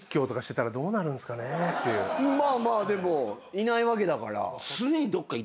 まあまあでもいないわけだから。